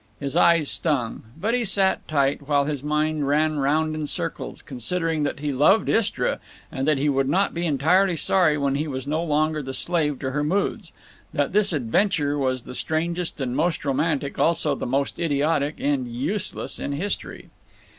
His eyes stung. But he sat tight, while his mind ran round in circles, considering that he loved Istra, and that he would not be entirely sorry when he was no longer the slave to her moods; that this adventure was the strangest and most romantic, also the most idiotic and useless, in history.